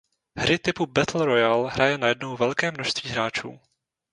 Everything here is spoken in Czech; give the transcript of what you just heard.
Hry typu Battle royale hraje najednou velké množství hráčů.